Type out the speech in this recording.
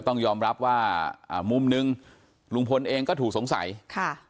ต้องยอมรับว่าอ่ามุมหนึ่งลุงพลเองก็ถูกสงสัยค่ะ